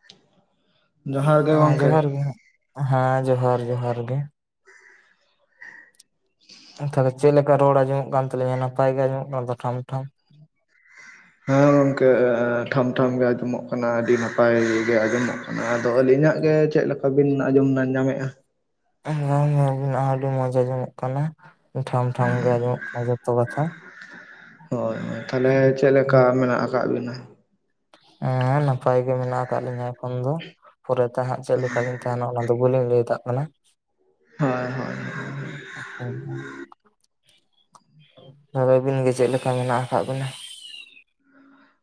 [inaudible] ᱜᱮ ᱦᱮᱸ ᱜᱚᱝᱠᱮ ᱡᱚᱦᱟᱨ ᱜᱮ ᱦᱮᱸ ᱡᱚᱦᱟᱨ ᱡᱚᱦᱟᱨ ᱜᱮ ᱾ [inaudible] ᱛᱚᱦᱚᱞᱮ ᱪᱮᱫ ᱞᱮᱠᱟ ᱨᱚᱲ ᱟᱸᱡᱚᱢᱚᱜ ᱠᱟᱱ ᱛᱞᱤᱧᱟ ᱱᱟᱯᱟᱭ ᱜᱮ ᱟᱸᱡᱚᱢ ᱠᱟᱱᱟ ᱛᱚ ᱴᱷᱟᱢ ᱴᱷᱟᱢ? ᱦᱮᱸ ᱜᱚᱝᱠᱮ ᱴᱷᱟᱢ ᱼ ᱴᱷᱟᱢ ᱜᱮ ᱟᱸᱡᱚᱢᱚᱜ ᱠᱟᱱᱟ ᱟᱹᱰᱤ ᱱᱟᱯᱟᱭ ᱜᱮ ᱟᱸᱡᱚᱢᱚᱜ ᱠᱟᱱᱟ ᱾ ᱚᱱᱟ ᱟᱫᱚ ᱟᱹᱞᱤᱧᱟᱜ ᱜᱮ ᱪᱮᱫ ᱞᱮᱠᱟ ᱵᱤᱱ ᱟᱸᱡᱚᱢ ᱧᱟᱢᱮᱜᱼᱟ? ᱟᱵᱱᱟᱜ ᱦᱚᱸ ᱟᱹᱰᱤ ᱢᱚᱡᱽ ᱟᱡᱚᱢᱚᱜ ᱠᱟᱱᱟ ᱴᱷᱟᱢ ᱼ ᱴᱷᱟᱢ ᱜᱮ ᱟᱡᱚᱢᱚᱜ ᱠᱟᱱᱟ ᱾ ᱛᱚ ᱠᱟᱛᱷᱟ ᱾ ᱛᱟᱦᱞᱮ ᱪᱮᱫ ᱞᱮᱠᱟ ᱢᱮᱱᱟᱜ ᱟᱠᱟᱫ ᱵᱤᱱᱟ? ᱦᱮᱸ ᱱᱟᱯᱟᱭ ᱜᱮ ᱢᱮᱱᱟᱜ ᱟᱠᱟᱫ ᱞᱤᱧᱟᱹ ᱮᱠᱷᱚᱱ ᱫᱚ, ᱯᱚᱨᱮ ᱛᱮ ᱦᱟᱸᱜ ᱪᱮᱫ ᱞᱮᱠᱟᱞᱤᱧ ᱛᱟᱦᱮᱱᱟ ᱚᱱᱟᱫᱚ ᱵᱟᱹᱞᱤᱧ ᱞᱟᱹᱭ ᱫᱟᱲᱮᱜ ᱠᱟᱱᱟ ᱾ ᱦᱳᱭ ᱦᱳᱭ ᱾ ᱟᱪᱪᱷᱟ, ᱛᱚ ᱟᱹᱵᱤᱱ ᱜᱮ ᱪᱮᱫ ᱞᱮᱠᱟ ᱢᱮᱱᱟᱜ ᱟᱠᱟᱜ ᱵᱤᱱᱟ?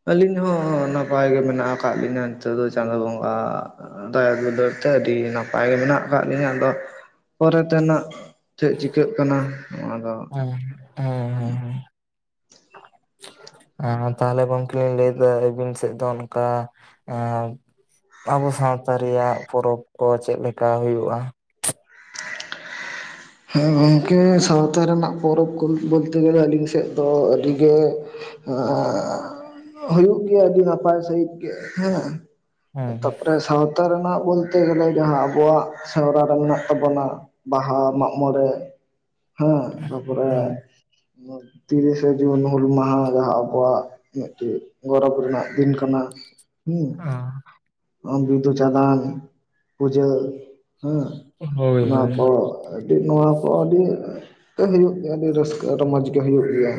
ᱟᱹᱞᱤᱧ ᱦᱚᱸ ᱱᱟᱯᱟᱭ ᱜᱮ ᱢᱮᱱᱟᱜ ᱟᱠᱟᱫ ᱞᱤᱧᱟᱹ ᱾ ᱱᱤᱛᱚᱜ ᱫᱚ ᱪᱟᱸᱫᱳ ᱵᱚᱸᱜᱟᱣᱟᱜ ᱫᱟᱭᱟ ᱫᱩᱞᱟᱹᱲ ᱛᱮ ᱟᱹᱰᱤ ᱱᱟᱯᱟᱭ ᱜᱮ ᱢᱮᱱᱟᱜ ᱟᱠᱟᱫ ᱞᱤᱧᱟ ᱟᱫᱚ ᱯᱚᱨᱮ ᱛᱮᱱᱟᱜ ᱪᱮᱫ ᱪᱤᱠᱟᱹᱜ ᱠᱟᱱᱟ ᱚᱱᱟ ᱫᱚ ᱦᱮᱸ ᱦᱮᱸ ᱦᱮᱸ ᱦᱮᱸ᱾ ᱛᱟᱦᱞᱮ ᱜᱚᱝᱠᱮ ᱞᱤᱧ ᱞᱟᱹᱭ ᱮᱫᱟ ᱟᱹᱵᱤᱱ ᱥᱮᱫ ᱫᱚ ᱚᱱᱠᱟ ᱮᱸ ᱟᱵᱚ ᱥᱟᱶᱛᱟ ᱨᱮᱭᱟᱜ ᱯᱚᱨᱚᱵᱽ ᱠᱚ ᱪᱮᱫ ᱞᱮᱠᱟ ᱦᱩᱭᱩᱜᱼᱟ? [inaudible] [inaudible] ᱦᱮᱸ ᱜᱚᱢᱠᱮ ᱥᱟᱶᱛᱟ ᱨᱮᱱᱟᱜ ᱯᱚᱨᱚᱵᱽ ᱵᱚᱞᱛᱮ ᱜᱮᱞᱮ ᱟᱹᱞᱤᱧ ᱥᱮᱫ ᱫᱚ ᱟᱹᱰᱤ ᱜᱮ ᱦᱩᱭᱩᱜ ᱜᱮᱭᱟ ᱟᱹᱰᱤ ᱱᱟᱯᱟᱭ ᱥᱟᱺᱦᱤᱡ ᱜᱮ ᱦᱮᱸ ᱦᱮᱸ ᱾ ᱛᱟᱯᱚᱨᱮ ᱥᱟᱶᱛᱟ ᱨᱮᱱᱟᱜ ᱵᱚᱞᱛᱮ ᱜᱮᱞᱮ ᱡᱟᱦᱟᱸ ᱟᱵᱚᱣᱟᱜ ᱥᱟᱨᱟᱣᱟ ᱨᱮ ᱢᱮᱱᱟᱜ ᱛᱟᱵᱚᱱᱟ ᱵᱟᱦᱟ ᱢᱟᱜ ᱢᱚᱬᱮ ᱦᱮᱸ ᱛᱟᱯᱚᱨᱮ ᱦᱮᱸ ᱛᱤᱨᱤᱥᱮ ᱡᱩᱱ ᱦᱩᱞ ᱢᱟᱦᱟ ᱡᱟᱦᱟᱸ ᱟᱵᱚᱣᱟᱜ ᱢᱤᱫᱴᱤᱡ ᱜᱚᱨᱚᱵᱽ ᱨᱮᱱᱟᱜ ᱫᱤᱱ ᱠᱟᱱᱟ ᱦᱩᱸ ᱵᱤᱫᱩ ᱪᱟᱸᱫᱟᱱ ᱯᱩᱡᱟᱹ ᱦᱮᱸ ᱚᱱᱟ ᱠᱚ ᱟᱹᱰᱤ ᱱᱚᱣᱟ ᱠᱚ ᱟᱹᱰᱤ ᱦᱩᱭᱩᱜ ᱟᱹᱰᱤ ᱨᱟᱹᱥᱠᱟᱹ ᱨᱚᱢᱚᱡᱽ ᱜᱮ ᱦᱩᱭᱩᱜ ᱜᱮᱭᱟ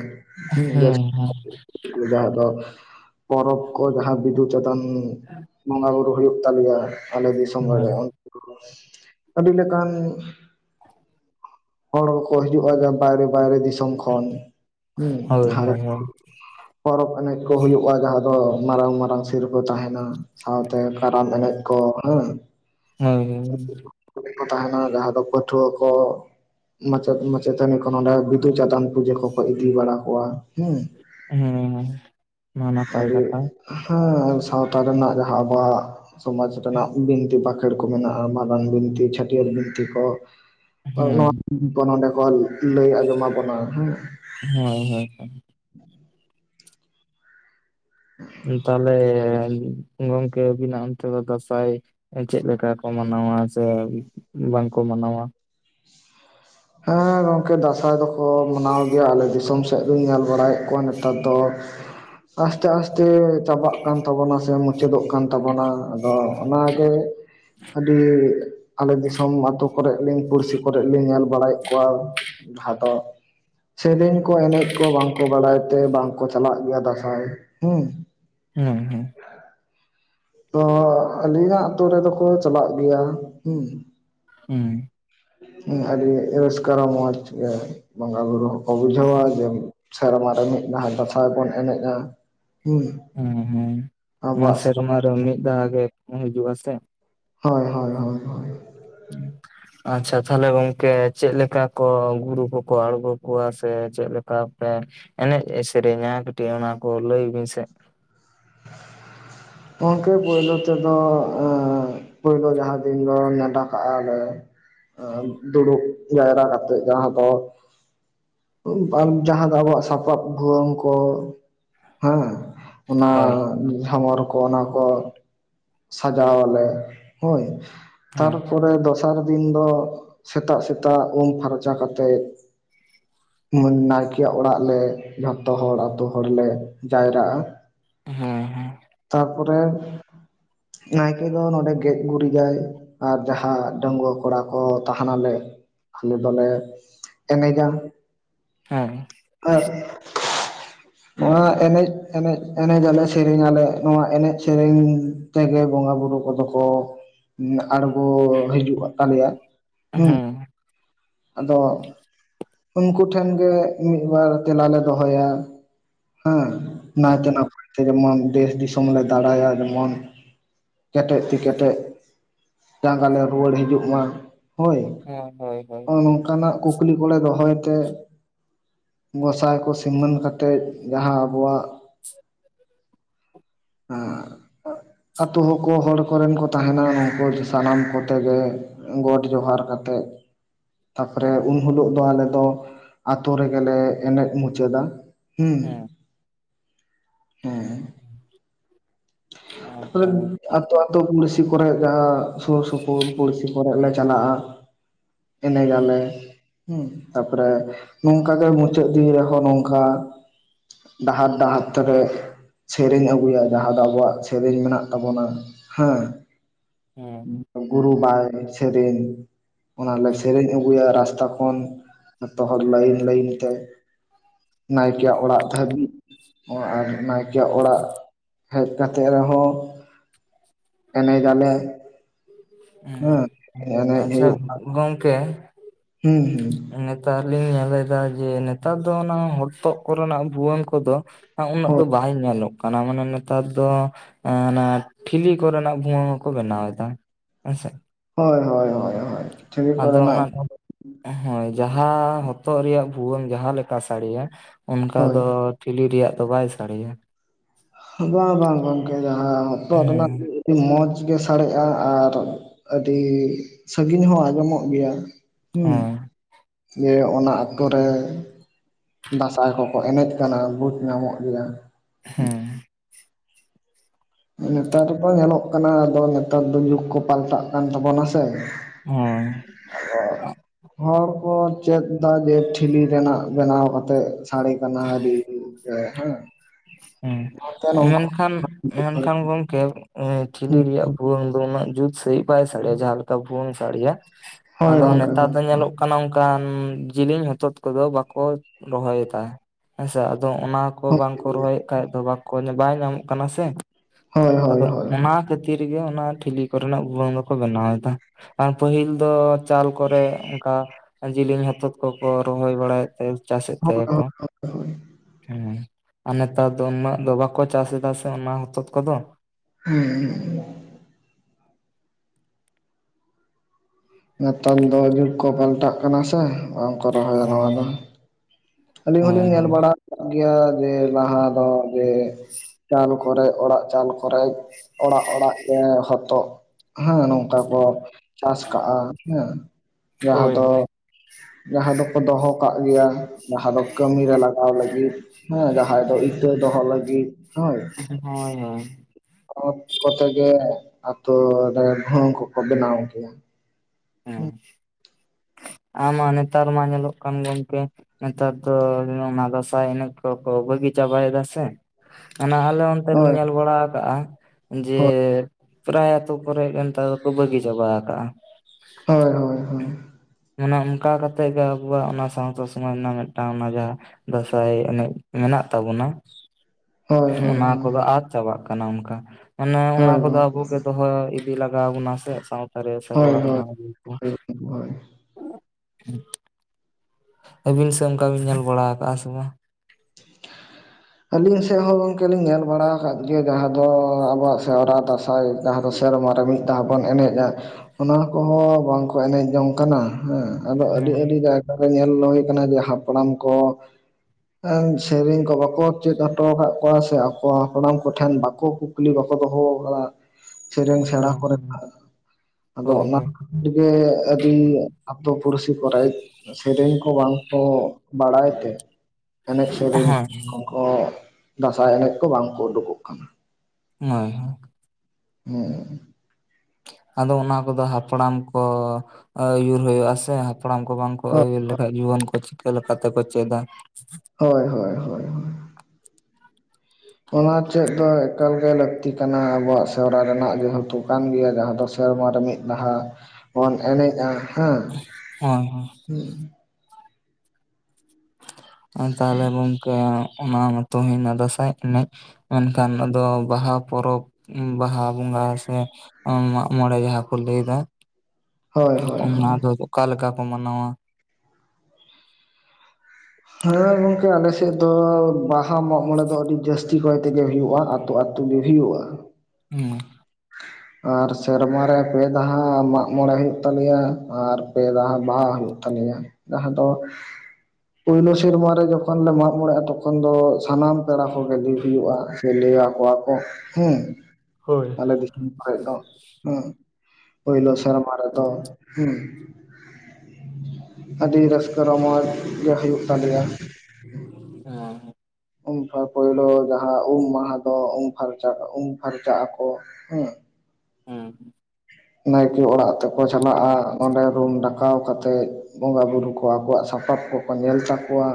ᱦᱩᱸ ᱡᱟ. ᱥᱛᱤ ᱠᱟᱭᱛᱮ ᱱᱤᱭᱟ. ᱫᱷᱟᱣ ᱫᱚ ᱯᱚᱨᱚᱵᱽ ᱠᱚ ᱡᱟᱦᱟᱸ ᱵᱤᱫᱩ ᱪᱟᱸᱫᱟᱱ ᱵᱚᱸᱜᱟ ᱵᱩᱨᱩ ᱦᱩᱭᱩᱜ ᱛᱟᱞᱮᱭᱟ ᱟᱞᱮ ᱫᱤᱥᱚᱢ ᱨᱮ ᱩᱱᱠᱩ ᱟᱹᱰᱤ ᱞᱮᱠ ᱠᱟᱱ ᱦᱚᱲ ᱠᱚ ᱦᱤᱡᱩᱜᱼᱟ ᱡᱟ ᱵᱟᱭᱨᱮ ᱵᱟᱭᱨᱮ ᱫᱤᱥᱚᱢ ᱠᱷᱚᱱ ᱦᱮᱸ ᱡᱟᱦᱟᱸ ᱯᱚᱨᱚᱵᱽ ᱮᱱᱮᱡ ᱠᱚ ᱦᱩᱭᱩᱜᱼᱟ ᱡᱟᱦᱟᱸ ᱫᱚ ᱢᱟᱨᱟᱝ ᱢᱟᱨᱟᱝ ᱥᱤᱨᱯᱷᱟᱹ ᱛᱟᱦᱮᱱᱟ ᱥᱟᱶᱛᱮ ᱠᱟᱨᱟᱢ ᱮᱱᱮᱡ ᱠᱚ ᱦᱮᱸ ᱦᱳᱭ ᱠᱚ ᱛᱟᱦᱮᱱᱟ ᱡᱟᱦᱟᱸ ᱫᱚ ᱯᱟᱹᱴᱷᱩᱣᱟᱹ ᱠᱚ ᱢᱟᱪᱮᱛ ᱢᱟᱪᱮᱛᱟᱹᱱᱤ ᱠᱚ ᱱᱚᱰᱮ ᱵᱤᱫᱩ ᱪᱟᱸᱫᱟᱱ ᱯᱩᱡᱟᱹ ᱠᱚᱠᱚ ᱤᱫᱤ ᱵᱟᱲᱟ ᱠᱚᱣᱟ ᱦᱩᱸ ᱦᱮᱸ ᱢᱟ ᱱᱟᱯᱟᱭ ᱟᱹᱰᱤ ᱠᱟᱛᱷᱟ ᱦᱮᱸ ᱥᱟᱶᱛᱟ ᱨᱮᱱᱟᱜ ᱡᱟᱦᱟᱸ ᱟᱵᱚᱣᱟᱜ ᱥᱚᱢᱟᱡᱽ ᱨᱮᱱᱟᱜ ᱵᱤᱱᱛᱤ ᱵᱟᱠᱷᱮᱸ ᱵᱟᱠᱷᱮᱸᱲ ᱠᱚ ᱢᱮᱱᱟᱜᱼᱟ ᱢᱟᱨᱟᱝ ᱵᱤᱱᱛᱤ ᱪᱷᱟᱹᱴᱭᱟᱹᱨ ᱵᱤᱱᱛᱤ ᱠᱚ ᱱᱚᱣᱟ ᱦᱮᱸ ᱠᱚ ᱱᱚᱰᱮ ᱠᱷᱚᱱ ᱞᱟᱹᱭ ᱟᱸᱡᱚᱢᱟ ᱵᱚᱱᱟ ᱦᱮᱸ ᱦᱳᱭ ᱦᱳᱭ ᱦᱳᱭ [inaudible] ᱛᱟᱦᱚᱞᱮ ᱜᱚᱝᱠᱮ ᱟᱵᱤᱱᱟᱜ ᱚᱱᱛᱮ ᱫᱚ ᱫᱟᱸᱥᱟᱭ ᱪᱮᱫ ᱞᱮᱠᱟ ᱠᱚ ᱢᱟᱱᱟᱣᱟ ᱥᱮ ᱵᱟᱝᱠᱚ ᱢᱟᱱᱟᱣᱟ ᱦᱮᱸ ᱜᱚᱝᱠᱮ ᱫᱟᱸᱥᱟᱭ ᱫᱚᱠᱚ ᱢᱟᱱᱟᱣ ᱜᱮᱭᱟ ᱟᱞᱮ ᱫᱤᱥᱚᱢ ᱥᱮᱫ ᱫᱚᱧ ᱧᱮᱞ ᱵᱟᱲᱟᱭᱮᱫ ᱠᱚᱣᱟ ᱱᱮᱛᱟᱨ ᱫᱚ ᱟᱥᱛᱮ ᱟᱥᱛᱮ ᱪᱟᱵᱟᱜ ᱠᱟᱱ ᱛᱟᱵᱚᱱᱟ ᱥᱮ ᱢᱩ ᱢᱩᱪᱟᱹᱫᱚᱜ ᱠᱟᱱ ᱛᱟᱵᱚᱱᱟ ᱟᱫᱚ ᱚᱱᱟᱜᱮ ᱟᱹᱰᱤ ᱟᱞᱮ ᱫᱤᱥᱚᱢ ᱟᱛᱩ ᱠᱚᱨᱮ ᱞᱤᱧ ᱯᱩᱲᱥᱤ ᱠᱚᱨᱮ ᱞᱤᱧ ᱧᱮᱞ ᱵᱟᱲᱟᱭᱮᱫ ᱠᱚᱣᱟ ᱡᱟᱦᱟᱸ ᱫᱚ ᱥᱮᱨᱮᱧ ᱠᱚ ᱮᱱᱮᱡ ᱠᱚ ᱵᱟᱝ ᱠᱚ ᱵᱟᱲᱟᱭ ᱛᱮ ᱵᱟᱝ ᱠᱚ ᱪᱟᱞᱟᱜ ᱜᱮᱭᱟ ᱫᱟᱸᱥᱟᱭ ᱦᱮᱸ ᱦᱮᱸ ᱦᱮᱸ ᱛᱚ ᱟᱹᱞᱤᱧᱟᱜ ᱟᱛᱳ ᱨᱮᱫᱚ ᱠᱚ ᱪᱟᱞᱟᱜ ᱜᱮᱭᱟ ᱦᱮᱸ ᱦᱮᱸ ᱦᱮᱸ ᱟᱹᱰᱤ ᱨᱟ. ᱥᱠᱟ. ᱨᱚᱢᱚᱡᱽ ᱜᱮ ᱵᱚᱸᱜᱟ ᱵᱩᱨᱩ ᱦᱚᱸ ᱠᱚ ᱵᱩᱡᱷᱟᱹᱣᱟ ᱡᱮ ᱥᱮᱨᱢᱟ ᱨᱮ ᱢᱤᱫ ᱫᱷᱟᱣ ᱫᱟᱸᱥᱟᱭ ᱵᱚᱱ ᱮᱱᱮᱡᱼᱟ᱾ ᱦᱮᱸ ᱦᱮᱸ ᱦᱮᱸ ᱚᱱᱟ ᱟᱵᱚᱣᱟᱜ ᱥᱮᱨᱢᱟ ᱨᱮ ᱢᱤᱫ ᱫᱷᱟᱣ ᱜᱮ ᱦᱤᱡᱩᱜ ᱟᱥᱮ᱾ ᱦᱚᱭ ᱦᱚᱭ ᱦᱚᱭ ᱟᱪᱪᱷᱟ ᱛᱟᱦᱚᱞᱮ ᱜᱚᱝᱠᱮ ᱪᱮᱫ ᱞᱮᱠᱟ ᱠᱚ ᱜᱩᱨᱩ ᱠᱚᱠᱚ ᱟᱬᱜᱚ ᱠᱚᱣᱟ ᱥᱮ ᱪᱮᱫ ᱠᱟ ᱯᱮ ᱮᱱᱮᱡ ᱥᱮᱨᱮᱧᱟ ᱠᱟᱹᱴᱤᱡ ᱚᱱᱟ ᱠᱚ ᱞᱟᱹᱭ ᱵᱤᱱ ᱥᱮ᱾ [unintelligible] ᱜᱚᱢᱠᱮ ᱯᱳᱭᱞᱩ ᱛᱮᱫᱚ ᱯᱩᱭᱞᱳ ᱡᱟᱦᱟᱸᱟ ᱫᱤᱱ ᱫᱚ ᱱᱰᱟᱠᱟ ᱠᱟᱜ ᱟᱞᱮ ᱫᱩᱲᱩᱵ ᱡᱟᱣᱨᱟ ᱠᱟᱛᱮᱜ ᱡᱟᱦᱟᱸ ᱫᱚ ᱡᱟᱦᱟᱸ ᱫᱚ ᱟᱵᱚᱣᱟᱜ ᱥᱟᱯᱟᱵ ᱵᱷᱩᱣᱟᱹᱝ ᱠᱚ ᱦᱮᱸ᱾ ᱚᱱᱟ ᱦᱳᱭ ᱡᱚᱢᱚᱨ ᱠᱚ ᱚᱱᱟ ᱠᱚ ᱥᱟᱡᱟᱣ ᱟᱞᱮ᱾ ᱦᱳᱭ ᱦᱳᱭ ᱛᱟᱨᱯᱚᱨ ᱫᱚᱥ [unintelligible] ᱫᱤᱱ ᱫᱚ ᱥᱮᱛᱟᱜ ᱥᱮᱛᱟᱜ ᱩᱢ ᱯᱷᱟᱨᱪᱟ ᱠᱟᱛᱮᱜ ᱩᱢ ᱱᱟᱭᱠᱮᱭᱟᱜ ᱚᱲᱟᱜ ᱞᱮ ᱡᱷᱚᱛᱚ ᱦᱚᱲ ᱟ ᱟᱹᱛᱩᱳ ᱦᱚᱲᱞᱮ ᱡᱟᱣᱨᱟᱜᱼᱟ᱾ ᱦᱮᱸ ᱦᱮᱸ᱾ ᱛᱟᱯᱚᱨᱮ ᱱᱟᱭᱠᱮ ᱫᱚ ᱱᱚᱰᱮ ᱜᱮᱡ ᱜᱩᱨᱤᱡᱟᱭ᱾ ᱟᱨ ᱡᱟᱦᱟᱸ ᱰᱟᱺᱜᱣᱟᱹ ᱠᱚᱲᱟ ᱠᱚ ᱛᱟᱦᱮᱱᱟᱞᱮ ᱟᱞᱮ ᱫᱚᱞᱮ ᱮᱱᱮᱡᱟ᱾ ᱦᱮᱸ᱾ ᱟᱨ ᱱᱚᱣᱟ ᱮᱱᱮᱡ ᱮᱱᱮᱡ ᱮᱱᱮᱡ ᱟᱞᱮ ᱥᱮᱨᱮᱧ ᱟᱞᱮ ᱱᱚᱣᱟ ᱮᱱᱮᱡ ᱥᱮᱨᱮᱧ ᱛᱮᱜᱮ ᱵᱚᱸᱜᱟ ᱵᱩᱨᱩᱳ ᱠᱚᱫᱚ ᱠᱚ ᱟᱲᱜᱚ ᱦᱤᱡᱩᱜ ᱛᱟᱞᱮᱭᱟ᱾ ᱦᱮᱸ᱾ ᱟᱫᱚ ᱩᱱᱠᱩ ᱴᱷᱮᱱ ᱜᱮ ᱢᱤᱫ ᱵᱟᱨ ᱛᱮᱞᱟ ᱞᱮ ᱫᱚᱦᱚᱭᱟ? ᱦᱮᱸ ᱱᱟᱭᱛᱮ ᱦᱮᱸ ᱱᱟᱯᱟᱭ ᱛᱮ ᱡᱮᱢᱚᱱ ᱫᱮᱥ ᱫᱤᱥᱚᱢ ᱞᱮ ᱫᱟᱲᱟᱭᱟ ᱡᱮᱢᱚᱱ ᱠᱮᱴᱮᱡ ᱛᱤ ᱠᱮᱴᱮᱡ ᱡᱟᱸᱜᱟ ᱞᱮ ᱨᱩᱭᱟᱹᱲ ᱦᱤᱡᱩᱜ ᱢᱟ ᱦᱳᱭ᱾ ᱦᱳᱭ ᱦᱳᱭ ᱦᱳᱭ᱾ ᱱᱚᱜᱼᱚ ᱱᱚᱝᱠᱟᱱᱟᱜ ᱠᱩᱠᱞᱤ ᱠᱚᱞᱮ ᱫᱚᱦᱚᱭ ᱛᱮ ᱜᱚᱸᱥᱟᱭ ᱠᱚ ᱥᱤᱢᱟᱹᱱ ᱠᱟᱛᱜ ᱡᱟᱦᱟᱸ ᱟᱵᱚᱣᱟᱜ ᱮᱜᱚ ᱛᱳ ᱦᱚᱸᱠᱚ ᱦᱚᱲ ᱠᱚᱨᱮᱱ ᱠᱚ ᱛᱟᱦᱮᱱᱟ ᱱᱩᱠᱩ ᱥᱟᱱᱟᱢ ᱠᱚᱛᱮᱜ ᱜᱮ ᱜᱚᱴ ᱡᱚᱦᱟᱨ ᱠᱟᱛᱮᱫ ᱛᱟᱯᱚᱨᱮ ᱩᱱ ᱦᱤᱞᱳᱜ ᱫᱚ ᱟᱞᱮ ᱫᱚ ᱟᱛᱳ ᱨᱮᱜᱮᱞᱮ ᱮᱱᱮᱡ ᱢᱩᱪᱟᱹᱫᱟ᱾ ᱦᱮᱸ ᱦᱩᱸ ᱦᱮᱸ᱾ ᱛᱚᱨᱮ ᱟᱪᱪᱷᱟ ᱟᱪᱪᱷᱟ ᱟᱹᱛᱩᱳ ᱟᱛᱳ ᱯᱲᱥᱤ ᱠᱚᱨᱮ ᱡᱟᱦᱟᱸ ᱥᱩᱨ ᱥᱩᱯᱩᱨ ᱯᱩᱲᱥᱤ ᱠᱚᱨᱮ ᱞᱮ ᱪᱟᱞᱟᱜᱼᱟ ᱮᱱᱮᱡ ᱦᱮᱸ ᱟᱞᱮ᱾ ᱦᱩᱸ, ᱛᱟᱯᱚᱨᱮ ᱱᱚᱝᱠᱟᱜᱮ ᱢᱩᱪᱟᱹᱫ ᱫᱤᱱ ᱨᱮᱦᱚᱸ ᱱᱚᱝᱠᱟ ᱰᱟᱦᱟᱨ ᱰᱟᱦᱟᱨ ᱛᱮᱨᱮ ᱥᱮᱨᱮᱧ ᱟᱹᱜᱩᱭᱟ ᱡᱟᱦᱟᱸ ᱫᱚ ᱟ ᱟᱵᱚᱣᱟᱜ ᱥᱮᱨᱮᱧ ᱢᱮᱱᱟᱜ ᱛᱟᱵᱚᱱᱟ ᱦᱮᱸ᱾ ᱦᱮᱸ᱾ ᱜᱩᱨᱩ ᱵᱟᱭ ᱥᱮᱨᱮᱧ, ᱚᱱᱟᱞᱮ ᱥᱮᱨᱮᱧ ᱟᱹᱜᱩᱭᱟ ᱨᱟᱥᱛᱟ ᱠᱷᱚᱱ ᱛᱚ ᱦᱚᱲ ᱞᱟᱭᱤᱱ ᱞᱟᱭᱤᱱ ᱛᱮ᱾ ᱱᱟᱭᱠᱮ ᱟᱜ ᱚᱲᱟᱜ ᱫᱷᱟᱹᱵᱤᱡ ᱟᱨ ᱱᱟᱭᱠᱮ ᱚᱲᱟᱜ ᱦᱮᱡ ᱠᱟᱛᱮ ᱨᱮᱦᱚᱸ, ᱮᱱᱮᱡᱟ ᱟᱞᱮ᱾ ᱦᱩᱸ, ᱦᱮᱸ ᱮᱱᱮᱡ ᱟᱪᱪᱷᱟ ᱦᱩᱭᱩᱜᱼᱟ ᱜᱚᱝᱠᱮ ᱦᱩᱸ ᱱᱮᱛᱟᱨ ᱞᱤᱧ ᱧᱮᱞᱮᱫᱟ ᱡᱮ ᱱᱮᱛᱟᱨ ᱫᱚ ᱚᱱᱟ ᱦ ᱛᱚᱜ ᱠᱚᱨᱮᱱᱟᱜ ᱵᱷᱩᱣᱟᱹᱝ ᱠᱚᱫᱚ ᱩᱱᱟᱹᱜ ᱦᱩᱸ ᱫᱚ ᱵᱟᱭ ᱧᱮᱞᱚᱜ ᱠᱟᱱᱟ, ᱢᱟᱱᱮ ᱱᱮᱛᱟᱨ ᱫᱚ ᱮ ᱚᱱᱟ ᱴᱷᱤᱞᱤ ᱠᱚᱨᱮᱱᱟᱜ ᱵᱷᱩᱣᱟᱹ ᱦᱚᱸᱠᱚ ᱵᱮᱱᱟᱣ ᱮᱫᱟ᱾ ᱦᱮᱸᱥᱮ᱾ ᱦᱳᱭ ᱦᱳᱭ ᱦᱳᱭ ᱦᱳᱭ᱾ ᱪᱷᱚᱵᱤ ᱟᱫᱚ ᱠᱚᱨᱮᱱᱟᱜ ᱚᱱᱟ ᱦᱳᱭ ᱡᱟᱦᱟᱸ ᱦᱚᱛᱚᱜ ᱨᱮᱭᱟᱜ ᱵᱷᱩᱣᱟᱹᱝ ᱡᱟᱦᱟᱸ ᱞᱮᱠᱟ ᱥᱟᱲᱤᱭᱟ ᱚᱱᱠᱟ ᱫᱚ ᱦᱳᱭ ᱴᱷᱤᱞᱤ ᱨᱮᱭᱟᱜ ᱫᱚ ᱵᱟᱭ ᱥᱟᱲᱮᱭᱟ᱾ ᱵᱟᱝ ᱵᱟᱝ ᱜᱚᱝᱠᱮ ᱡᱟᱦᱟ ᱦᱚᱛᱚᱜ ᱦᱮᱸ ᱨᱮᱭᱟᱜ ᱢᱚᱡᱽ ᱜᱮ ᱥᱟᱲᱮᱜᱼᱟ ᱟᱨ ᱟᱹᱰᱤ ᱥᱟᱺᱜᱤᱧ ᱦᱚᱸ ᱟᱸᱡᱚᱢᱚᱜ ᱜᱮᱭᱟ᱾ ᱦᱩᱸ, ᱦᱮᱸ ᱡᱮ ᱚᱱᱟ ᱟᱛᱳ ᱨᱮ ᱫᱟᱸᱥᱟᱭ ᱠᱚᱠᱚ ᱮᱱᱮᱡ ᱠᱟᱱᱟ ᱵᱩᱡᱽ ᱧᱟᱢᱚᱜ ᱜᱮᱭᱟ᱾ ᱦᱮᱸ᱾ ᱱᱮᱛᱟᱨ ᱫᱚᱠᱚ ᱧᱮᱞᱚᱜ ᱠᱟᱱᱟ ᱟᱫᱚ ᱱᱮᱛᱟᱨ ᱫᱚ ᱡᱩᱜᱽ ᱠᱚ ᱯᱟᱞᱴᱟᱜ ᱠᱟᱱ ᱛᱟᱵᱚᱱᱟ ᱥᱮ ᱾ ᱦᱳᱭ, ᱦᱚᱲ ᱠᱚ ᱪᱮᱫ ᱮᱫᱟ ᱡᱮ ᱴᱷᱤᱞᱤ ᱨᱮᱱᱟᱜ ᱵᱮᱱᱟᱣ ᱠᱟᱛᱮᱜ, ᱥᱟᱲᱮ ᱠᱟᱱᱟ ᱟᱹᱰᱤ ᱡᱩᱛ ᱜᱮ ᱦᱮᱸ ᱦᱮᱸ ᱱᱚᱛᱮ ᱱᱚᱝᱠᱟ ᱢᱮᱱᱠᱷᱟᱱ ᱢᱮᱱᱠᱷᱟᱱ ᱜᱚᱢᱠᱮ ᱴᱷᱤᱞᱤ ᱨᱮᱭᱟᱜ ᱵᱷᱩᱣᱟᱹᱝ ᱫᱚ ᱩᱱᱟᱹᱜ ᱡᱩᱛ ᱥᱟᱺᱦᱤᱡ ᱵᱟᱭ ᱥᱟᱲᱮᱭᱟ ᱡᱟᱦᱟᱸᱞᱮᱠᱟ ᱵᱷᱩᱣᱟᱹᱝ ᱥᱟᱲᱮᱭᱟ ᱾ ᱦᱳᱭ ᱟᱫᱚ ᱜᱚᱝᱠᱮ ᱱᱮᱛᱟᱨ ᱦᱳᱭ ᱫᱚ ᱧᱮᱞᱚᱜ ᱠᱟᱱᱟ ᱚᱱᱠᱟᱱ ᱡᱮᱞᱮᱧ ᱦᱚᱛᱚᱫ ᱠᱚᱫᱚ ᱵᱟᱠᱚ ᱨᱚᱦᱚᱭ ᱮᱫᱟ ᱾ ᱦᱮᱸᱥᱮ ᱟᱫᱚ ᱚᱱᱟ ᱠᱚ ᱦᱳᱭ ᱵᱟᱝ, ᱠᱷᱟ ᱫᱚ ᱵᱟᱠᱚ ᱵᱟᱭ ᱧᱟᱢᱚᱜ ᱠᱟᱱᱟ ᱥᱮ, ᱦᱳᱭ ᱦᱳᱭ ᱟᱫᱚ ᱦᱳᱭ ᱚᱱᱟ ᱠᱷᱟᱹᱛᱤᱨ ᱜᱮ ᱚᱱᱟ ᱴᱷᱤᱞᱤ ᱠᱚᱨᱮᱱᱟᱜ ᱵᱚᱝᱜᱟ ᱠᱚ ᱵᱮᱱᱟᱣ ᱮᱫᱟ ᱟᱨ ᱯᱟᱹᱦᱤᱞ ᱫᱚ ᱪᱟᱞ ᱠᱚᱨᱮ ᱚᱝᱠᱟ, ᱡᱮᱞᱮᱧ ᱦᱚᱛᱚᱛ ᱠᱚᱠᱚ ᱨᱚᱦᱚᱭ ᱵᱟᱲᱟᱭᱮᱫ ᱛᱟᱦᱮᱸ ᱪᱟᱥᱮᱫ ᱛᱟᱦᱮᱸ ᱠᱚ ᱦᱩᱸ, ᱟᱨ ᱱᱮᱛᱟᱨ ᱫᱚ ᱩᱱᱟᱹᱜ ᱫᱚ ᱵᱟᱠᱚ ᱪᱟᱥ ᱮᱫᱟ ᱥᱮ ᱚᱱᱟ ᱦᱚᱛᱚᱫ ᱠᱚ ᱫᱚ ᱦᱮᱸ ᱱᱮᱛᱟᱨ ᱫᱚ ᱡᱩᱜᱽ ᱠᱚ ᱯᱟᱞᱴᱟᱜ ᱠᱟᱱᱟ ᱥᱮ ᱵᱟᱝ ᱠᱚ ᱨᱚᱦᱚᱭᱟ ᱦᱮᱸ ᱱᱚᱣᱟ ᱫᱚ ᱾ ᱟᱹᱞᱤᱧ ᱦᱚᱞᱤᱧ ᱦᱳᱭ ᱧᱮᱞ ᱵᱟᱲᱟᱟᱜ ᱜᱮᱭᱟ ᱡᱮ ᱞᱟᱦᱟ ᱫᱚ ᱡᱮ ᱪᱟᱞ ᱠᱚᱨᱮ ᱚᱲᱟᱜ ᱪᱟᱞ ᱠᱚᱨᱮ ᱚᱲᱟᱜ ᱚᱲᱟᱜ ᱮ ᱦᱚᱛᱚᱜ, ᱦᱮᱸ ᱱᱚᱝᱠᱟ ᱠᱚ ᱪᱟᱥ ᱠᱟᱜᱼᱟ ᱦᱮᱸ ᱡᱟᱦᱟᱸ ᱦᱳᱭ ᱦᱳᱭ ᱫᱚ, ᱦᱳᱭ ᱡᱟᱦᱟᱸ ᱫᱚᱠᱚ ᱫᱚᱦᱚ ᱠᱟᱜ ᱜᱮᱭᱟ, ᱡᱟᱦᱟᱸ ᱫᱚ ᱠᱟᱹᱢᱤᱨᱮ ᱞᱟᱜᱟᱣ ᱞᱟᱹᱜᱤᱫ ᱾ ᱦᱮᱸ ᱡᱟᱦᱟᱸ ᱫᱚ ᱤᱛᱟᱹ ᱫᱚᱦᱚ ᱞᱟᱹᱜᱤᱫ ᱦᱳᱭ ᱾ ᱦᱳᱭ ᱦᱳᱭ, ᱚᱛ ᱠᱚᱛᱮ ᱜᱮ ᱟᱛᱳ ᱨᱮ ᱦᱚᱦᱚ ᱠᱚᱠᱚ ᱵᱮᱱᱟᱣ ᱠᱮᱭᱟ ᱾ ᱦᱮᱸ ᱟᱢᱟ ᱱᱮᱛᱟᱨ ᱢᱟ ᱧᱮᱞᱚᱜ ᱠᱟᱱ ᱜᱚᱢᱠᱮ ᱱᱮᱛᱟᱨ ᱫᱚ ᱚᱱᱟ ᱫᱟᱸᱥᱟᱭ ᱮᱱᱮᱡ ᱠᱚᱠᱚ ᱵᱟᱹᱜᱤ ᱪᱟᱵᱟᱭᱮᱫᱟ ᱥᱮ ᱚᱱᱟ ᱟᱞᱮ ᱛᱮᱞᱤᱧ ᱦᱳᱭ ᱧᱮᱞ ᱵᱟᱲᱟ ᱟᱠᱟᱜᱼᱟ ᱡᱮ ᱦᱳᱭ ᱯᱨᱟᱭ ᱟᱛᱳ ᱠᱚᱨᱮ ᱱᱮᱛᱟᱨ ᱫᱚᱠᱚ ᱵᱟᱹᱜᱤ ᱪᱟᱵᱟ ᱟᱠᱟᱜᱼᱟ᱾ ᱦᱳᱭ ᱦᱳᱭ ᱦᱳᱭ, ᱢᱟᱱᱮ ᱚᱱᱠᱟ ᱠᱟᱛᱮᱜ ᱜᱮ ᱟᱵᱚᱣᱟᱜ ᱚᱱᱟ ᱥᱟᱶᱛᱟ ᱥᱚᱢᱟᱡᱽ ᱨᱮᱱᱟᱜ ᱢᱤᱫᱴᱟᱝ ᱚᱱᱟ ᱡᱟᱦᱟᱸ ᱫᱟᱸᱥᱟᱭ ᱮᱱᱮᱡ ᱢᱮᱱᱟᱜ ᱛᱟᱵᱚᱱᱟ, ᱦᱳᱭ ᱦᱳᱭ ᱚᱱᱟ ᱦᱳᱭ ᱠᱚᱫᱚ ᱟᱫ ᱪᱟᱵᱟᱜ ᱠᱟᱱᱟ ᱚᱱᱠᱟ ᱢᱟᱱᱮ ᱚᱱᱟ ᱦᱳᱭ ᱠᱚᱫᱚ ᱜᱚᱝᱠᱮ ᱟᱵᱚᱜᱮ ᱫᱚᱦᱚ ᱤᱫᱤ ᱤ ᱞᱟᱜᱟᱣ ᱵᱚᱱᱟ ᱥᱮ ᱥᱟᱶᱛᱟ ᱨᱮ ᱦᱳᱭ ᱥᱮᱨᱣᱟ ᱠᱟᱱᱟ ᱦᱳᱭ ᱵᱚ ᱦᱳᱭ ᱜᱚᱝᱠᱮ, ᱦᱳᱭ ᱟᱹᱵᱤᱱ ᱥᱮ ᱚᱱᱠᱟ ᱵᱤᱱ ᱧᱮᱞ ᱵᱟᱲᱟ ᱟᱠᱟᱜᱼᱟ ᱥᱮ ᱵᱟᱝ? [inaudible] ᱟᱹᱞᱤᱧ ᱥᱮᱫ ᱦᱚᱸ ᱜᱚᱝᱠᱮ ᱞᱤᱧ ᱧᱮᱞ ᱵᱟᱲᱟ ᱟᱠᱟᱫ ᱜᱮᱭᱟ ᱡᱟᱦᱟᱸ ᱫᱚ ᱟᱵᱚᱣᱟᱜ ᱥᱟᱦᱟ ᱨᱟ ᱴᱟᱥ ᱟᱭ ᱡᱟᱦᱟᱸ ᱫᱚ ᱥᱮᱨᱢᱟ ᱨᱮ ᱢᱤᱫ ᱫᱷᱟᱣ ᱵᱚᱱ ᱮᱱᱮᱡᱟ, ᱚᱱᱟ ᱠᱚᱦᱚᱸ ᱵᱟᱝᱠᱚ ᱮᱱᱮᱡ ᱡᱚᱝ ᱠᱟᱱᱟ ᱾ ᱦᱮᱸ ᱟᱫᱚ ᱟᱹᱰᱤ ᱦᱮᱸ ᱟᱹᱰᱤ ᱡᱟᱭᱜᱟ ᱨᱮ ᱧᱮᱞ ᱦᱩᱭ ᱠᱟᱱᱟ ᱡᱮ ᱦᱟᱯᱲᱟᱢ ᱠᱚ ᱮᱸᱻ ᱥᱮᱨᱮᱧ ᱠᱚ ᱵᱟᱠᱚ ᱪᱮᱫ ᱦᱚᱴᱚ ᱠᱟᱜ ᱠᱚᱣᱟ ᱥᱮ ᱟᱠᱚᱣᱟᱜ ᱦᱟᱯᱲᱟᱢ ᱠᱚᱴᱷᱮᱱ ᱵᱟᱠᱚ ᱠᱩᱠᱞᱤ ᱵᱟᱠᱚ ᱫᱚᱦᱚ ᱫᱚᱦᱚ ᱠᱟᱫᱟ ᱾ ᱥᱮᱨᱮᱧ ᱥᱮᱬᱟ ᱦᱮᱸ ᱠᱚᱨᱮᱱᱟᱜ ᱟᱫᱚ ᱦᱳᱭ ᱦᱳᱭ ᱚᱱᱟ ᱦᱮᱸ ᱠᱷᱟᱹᱛᱤᱨ ᱜᱮ ᱟᱹᱰᱤ ᱟᱛᱚ ᱯᱩᱲᱥᱤ ᱠᱚᱨᱮ ᱥᱮᱨᱮᱧ ᱠᱚ ᱵᱟᱝ ᱠᱚ ᱵᱟᱲᱟᱭ ᱛᱮ, ᱮᱱᱮᱡ ᱥᱮᱨᱮᱧ ᱠᱚ ᱠᱚ ᱫᱟᱸᱥᱟᱭ ᱮᱱᱮᱡ ᱠᱚ ᱵᱟᱝ ᱠᱚ ᱩᱰᱩᱠᱚᱜ ᱠᱟᱱᱟ ᱾ ᱦᱳᱭ, ᱦᱩᱸ, ᱟᱫᱚ ᱚᱱᱟ ᱠᱚᱫᱚ ᱦᱟᱯᱲᱟᱢ ᱠᱚ ᱟᱹᱭᱩᱨ ᱦᱩᱭᱩᱜᱼᱟ ᱥᱮ, ᱦᱟᱯᱲᱟᱢ ᱠᱚ ᱵᱟᱝ ᱠᱚ ᱦᱳᱭ ᱟᱹᱭᱩᱨ ᱞᱮᱠᱷᱟᱡ ᱡᱩᱣᱟᱹᱱ ᱠᱚ ᱪᱤᱠᱟᱹ ᱞᱮᱠᱟᱛᱮᱠᱚ ᱪᱮᱫᱟ ᱾ ᱦᱳᱭ ᱦᱳᱭ ᱦᱳᱭ, ᱚᱱᱟ ᱪᱮᱫ ᱫᱚ ᱮᱠᱟᱞ ᱜᱮ ᱞᱟᱹᱠᱛᱤ ᱠᱟᱱᱟ᱾ ᱟᱵᱚᱣᱟᱜ ᱥᱮᱣᱨᱟ ᱨᱮᱱᱟᱜ ᱡᱮᱦᱮᱛᱩ, ᱠᱟᱱ ᱜᱮᱭᱟ ᱡᱟᱦᱟᱸ ᱫᱚ ᱥᱮᱨᱢᱟ ᱨᱮ ᱢᱤᱫ ᱢᱟᱦᱟ ᱵᱚᱱ ᱮᱱᱮᱡᱼᱟ ᱦᱟᱸ, ᱦᱳᱭ ᱦᱳᱭ᱾ [inaudible] ᱛᱟᱦᱟᱞᱮ ᱜᱚᱝᱠᱮ ᱚᱱᱟ ᱢᱟᱛᱚ ᱦᱩᱭᱱᱟ ᱫᱟᱸᱥᱟᱭ ᱮᱱᱮᱡ᱾ ᱢᱮᱱᱠᱷᱟᱱ ᱟᱫᱚ ᱵᱟᱦᱟ ᱯᱚᱨᱚᱵᱽ ᱩᱸ ᱵᱟᱦᱟ ᱵᱚᱸᱜᱟ ᱥᱮ ᱚ ᱢᱟᱜ ᱢᱚᱬᱮ ᱡᱟᱦᱟᱸ ᱠᱚ ᱞᱟᱹᱭᱫᱟ, ᱦᱳᱭ ᱦᱳᱭ ᱚᱱᱟ ᱦᱳᱭ ᱫᱚ ᱚᱠᱟᱞᱮᱠᱟ ᱠᱚ ᱢᱟᱱᱟᱣᱟ? ᱦᱮᱸ ᱜᱚᱝᱠᱮ ᱟᱞᱮ ᱥᱮᱫ ᱫᱚ ᱵᱟᱦᱟ ᱢᱟᱜ ᱢᱚᱬᱮ ᱫᱚ ᱟᱹᱰᱤ ᱡᱟᱹᱥ ᱪᱤᱠᱚᱭ ᱛᱮᱜᱮ ᱦᱩᱭᱩᱜᱼᱟ ᱟᱹᱛᱳ ᱟᱹᱛᱳ ᱜᱮ ᱦᱩᱭᱩᱜᱼᱟ᱾ ᱚ᱾ ᱟᱨ ᱥᱮᱨᱢᱟ ᱨᱮ ᱯᱮ ᱫᱟᱦᱟ ᱢᱟᱜ ᱢᱚᱬᱮ ᱦᱩᱭᱩᱜ ᱛᱟᱞᱮᱭᱟ ᱟᱨ ᱯᱮ ᱫᱟᱦᱟ ᱵᱟᱦᱟ ᱦᱩᱭᱩᱜ ᱛᱟᱞᱮᱭᱟ ᱡᱟᱦᱟᱸ ᱫᱚ ᱯᱳᱭᱞᱳ ᱥᱮᱨᱢᱟ ᱨᱮ ᱡᱚᱠᱷᱚᱱ ᱞᱮ ᱢᱟᱜ ᱢᱚᱬᱮᱜᱼᱟ ᱛᱚᱠᱷᱚᱱ ᱫᱚ ᱥᱟᱱᱟᱢ ᱯᱮᱲᱟ ᱠᱚᱜᱮ ᱞᱟᱹᱭ ᱦᱩᱭᱩᱜᱼᱟ ᱥᱮ ᱞᱟᱹᱭ ᱟᱠᱚᱣᱟ ᱠᱚ ᱦᱮᱸ᱾ ᱦᱳᱭ ᱦᱳᱭ ᱟᱞᱮ ᱫᱤᱥᱚᱢ ᱠᱚᱨᱮᱜ ᱫᱚ ᱦᱮᱸ, ᱯᱳᱭᱞᱳ ᱥᱮᱨᱢᱟ ᱨᱮᱫᱚ ᱦᱩᱸ, ᱟᱹᱰᱤ ᱨᱟᱹᱥᱠᱟᱹ ᱨᱚᱢᱚᱡᱽ ᱜᱮ ᱦᱩᱭᱩᱜ ᱛᱟᱞᱮᱭᱟ᱾ ᱚ᱾ ᱩᱱᱥᱟ ᱯᱳᱭᱞᱳ ᱡᱟᱦᱟᱸ ᱩᱢ ᱢᱟᱦᱟ ᱫᱚ ᱩᱢ ᱯᱷᱟᱨᱪᱟᱜ ᱩᱢ ᱯᱷᱟᱨᱪᱟᱜ ᱟᱠᱚ ᱦᱮᱸ᱾ ᱦᱩᱸ᱾ ᱱᱟᱭᱠᱮ ᱚᱲᱟᱜ ᱛᱮᱠᱚ ᱪᱟᱞᱟᱜᱼᱟ ᱚᱸᱰᱮ ᱨᱩᱢ ᱰᱟᱠᱟᱣ ᱠᱟᱛᱮᱫ ᱵᱚᱸᱜᱟ ᱵᱩᱨᱩ ᱠᱚ ᱟᱠᱚᱣᱟᱜ ᱥᱟᱯᱟᱵ ᱠᱚᱠᱚ ᱧᱮᱞ ᱛᱟᱠᱚᱣᱟ᱾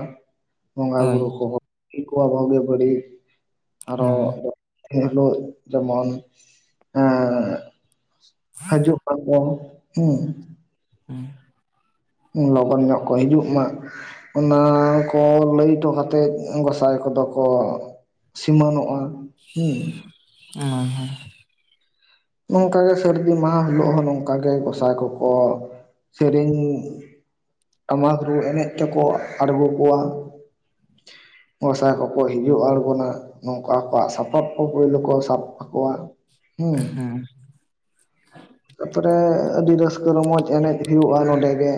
ᱵᱚᱸᱜᱟ ᱦᱳᱭ ᱵᱩᱨᱩ ᱠᱚᱠᱚ [inaudible] ᱠᱚᱣᱟ ᱵᱳᱜᱮ ᱵᱟᱹᱲᱤᱡ, ᱟᱨᱚ ᱦᱳᱭ ᱮ ᱦᱮᱞᱚᱜ ᱡᱮᱢᱚᱱ ᱮᱸᱻ ᱦᱟᱡᱩᱜ ᱵᱟᱝ ᱫᱚ ᱦᱩᱸ᱾ ᱦᱩᱸ᱾ ᱞᱚᱜᱚᱱ ᱧᱚᱜ ᱠᱚ ᱦᱤᱡᱩᱜ ᱢᱟ᱾ ᱚᱱᱟ ᱠᱚ ᱞᱟᱹᱭ ᱴᱚ ᱠᱟᱛᱮᱫ ᱜᱚᱸᱥᱟᱭ ᱠᱚᱫᱚ ᱠᱚ ᱥᱤᱢᱟᱹᱱᱚᱜᱼᱟ ᱦᱩᱸ᱾ ᱚ ᱦᱮᱸ᱾ ᱱᱚᱝᱠᱟᱜᱮ ᱥᱟᱹᱨᱫᱤ ᱢᱟᱦᱟ ᱦᱤᱞᱳᱜ ᱦᱚᱸ ᱱᱚᱝᱠᱟ ᱜᱮ ᱜᱚᱸᱥᱟᱭ ᱠᱚᱠᱚ ᱥᱮᱨᱮᱧ ᱴᱟᱢᱟᱠ ᱨᱩ ᱮᱱᱮᱡ ᱛᱮᱠᱚ ᱟᱬᱜᱚ ᱠᱚᱣᱟ᱾ ᱜᱚᱸᱥᱟᱭ ᱠᱚᱠᱚ ᱦᱤᱡᱩᱜᱼᱟ ᱟᱲᱜᱚᱱᱟ᱾ ᱱᱚᱝᱠᱟ ᱟᱠᱚᱣᱟᱜ ᱥᱟᱯᱟᱵ ᱠᱚ ᱯᱳᱭᱞᱳ ᱠᱚ ᱥᱟᱵ ᱛᱟᱠᱚᱣᱟ, ᱦᱩᱸ᱾ ᱛᱟᱯᱚᱨᱮ ᱟᱹᱰᱤ ᱨᱟᱹᱥᱠᱟᱹ ᱨᱚᱢᱚᱡᱽ ᱮᱱᱮᱡ ᱦᱩᱭᱩᱜᱼᱟ ᱱᱚᱸᱰᱮ ᱜᱮ᱾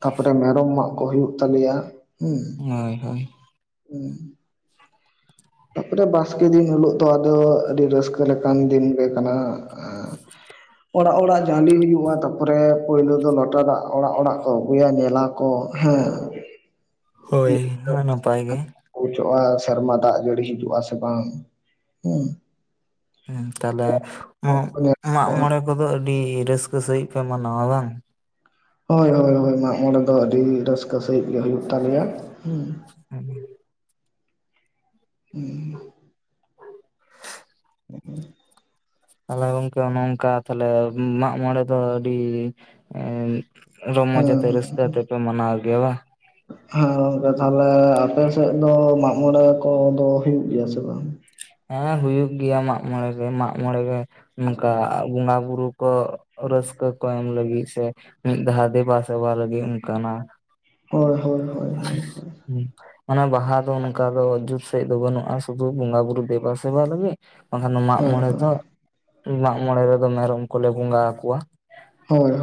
ᱛᱟᱯᱚᱨᱮ ᱢᱮᱨᱚᱢ ᱢᱟᱜ ᱠᱚ ᱦᱩᱭᱩᱜ ᱛᱟᱞᱮᱭᱟ ᱦᱩᱸ, ᱦᱳᱭ ᱦᱩᱸ᱾ ᱛᱟᱯᱚᱨᱮ ᱵᱟᱥᱠᱮ ᱫᱤᱱ ᱦᱤᱞᱳᱜ ᱫᱚ ᱟᱫᱚ ᱟᱹᱰᱤ ᱨᱟᱹᱥᱠᱟᱹ ᱞᱮᱠᱟᱱ ᱫᱤᱱ ᱜᱮ ᱠᱟᱱᱟ᱾ ᱮ ᱚᱲᱟᱜ ᱚᱲᱟᱜ ᱡᱟᱞᱮ ᱦᱩᱭᱩᱜᱼᱟ ᱛᱟᱯᱚᱨᱮ ᱯᱳᱭᱞᱳ ᱫᱚ ᱞᱚᱴᱟ ᱫᱟᱜ ᱚᱲᱟᱜ ᱚᱲᱟᱜ ᱠᱚ ᱟᱹᱜᱩᱭᱟ ᱧᱮᱞᱟ ᱠᱚ ᱦᱮᱸ᱾ ᱦᱳᱭ [unintelligible] [inaudible] ᱥᱮᱨᱢᱟ ᱫᱟᱜ ᱡᱟᱹᱲᱤ ᱦᱤᱡᱩᱜᱼᱟ ᱥᱮ ᱵᱟᱝ, ᱦᱩᱸ᱾ ᱦᱩᱸ ᱛᱟᱦᱚᱞᱮ, ᱢᱟ ᱢᱟᱜ ᱢᱚᱬᱮ ᱠᱚᱫᱚ ᱟᱹᱰᱤ ᱨᱟᱹᱥᱠᱟᱹ ᱥᱟᱺᱦᱤᱡ ᱯᱮ ᱢᱟᱱᱟᱣᱟ ᱵᱟᱝ? ᱦᱳᱭ ᱦᱳᱭ ᱦᱳᱭ ᱢᱟᱜ ᱢᱚᱬᱮ ᱫᱚ ᱟᱹᱰᱤ ᱨᱟᱹᱥᱠᱟᱹ ᱥᱟᱹᱦᱤᱡ ᱜᱮ ᱦᱩᱭᱩᱜ ᱛᱟᱞᱮᱭᱟ, ᱦᱩᱸ᱾ ᱦᱩᱸ᱾ ᱩᱸ᱾ [unintelligible] ᱛᱟᱦᱞᱮ ᱜᱚᱝᱠᱮ ᱱᱚᱜᱼᱚᱝᱠᱟ ᱛᱷᱟᱞᱮ ᱢᱟᱜ ᱢᱚᱬᱮ ᱫᱚ ᱟᱹᱰᱤ, ᱮᱸ ᱨᱚᱢᱚᱡᱽ ᱦᱮᱸ ᱟᱛᱮ ᱨᱟᱹᱥᱠᱟᱹ ᱦᱮᱸ ᱟᱛᱮ ᱯᱮ ᱢᱟᱱᱟᱣ ᱜᱮᱭᱟ ᱵᱟ? [inaudible] ᱦᱮᱸ ᱜᱚᱝᱠᱮ ᱛᱟᱦᱚᱞᱮ ᱟᱯᱮ ᱥᱮᱫ ᱫᱚ ᱢᱟᱜ ᱢᱚᱬᱮ ᱠᱚ-ᱫᱚ ᱦᱩᱭᱩᱜ ᱜᱮᱭᱟ ᱥᱮ ᱵᱟᱝ? ᱦᱮᱸ ᱦᱩᱭᱩᱜ ᱜᱮᱭᱟ ᱢᱟᱜ ᱢᱚᱬᱮ ᱨᱮ ᱢᱟᱜ ᱢᱚᱬᱮ ᱨᱮ ᱱᱚᱝᱠᱟ ᱵᱚᱸᱜᱟ ᱵᱩᱨᱩ ᱠᱚ ᱨᱟᱹᱥᱠᱟᱹ ᱠᱚ ᱮᱢ ᱞᱟᱹᱜᱤᱫ ᱥᱮ ᱢᱤᱫ ᱫᱷᱟᱣ ᱫᱮᱵᱟ ᱥᱮᱵᱟ ᱞᱟᱹᱜᱤᱫ ᱚᱱᱠᱟᱱᱟᱜ ᱾ ᱦᱚᱭ ᱦᱚᱭ ᱾ [inaudible] ᱚᱱᱟ ᱵᱟᱦᱟ ᱫᱚ ᱚᱱᱠᱟ ᱫᱚ ᱡᱩᱛ ᱥᱟᱸᱦᱤᱡ ᱫᱚ ᱵᱟᱹᱱᱩᱜ-ᱟ ᱥᱩᱫᱷᱩ ᱵᱚᱸᱜᱟ ᱵᱩᱨᱩ ᱫᱮᱵᱟ ᱥᱮᱵᱟ ᱞᱟᱹᱜᱤᱫ ᱾ ᱵᱟᱝᱠᱷᱟᱱ ᱢᱟᱜ ᱦᱳᱭ ᱢᱚᱬᱮ ᱫᱚ ᱦᱳᱭ ᱢᱟᱜ ᱢᱚᱬᱮ ᱨᱮᱫᱚ ᱢᱮᱨᱚᱢ ᱠᱚᱞᱮ ᱵᱚᱸᱜᱟ ᱟᱠᱚᱣᱟ ᱾ ᱦᱳᱭ ᱦᱳ